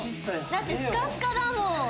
だってスカスカだもん！